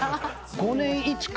５年１組？